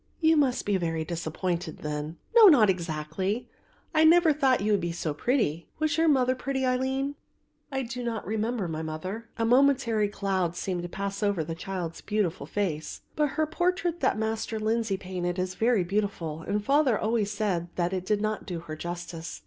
"You must be very disappointed then." "No, not exactly; I never thought that you would be so pretty: was your mother pretty, Aline?" "I do not remember my mother," and a momentary cloud seemed to pass over the child's beautiful face, "but her portrait that Master Lindsay painted is very beautiful, and father always said that it did not do her justice.